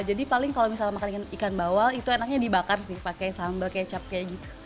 jadi paling kalau misalnya makan ikan bawal itu enaknya dibakar sih pakai sambal kecap kayak gitu